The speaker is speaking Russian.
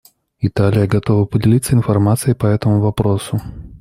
Италия готова поделиться информацией по этому вопросу.